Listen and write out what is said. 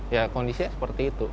ya kondisinya seperti itu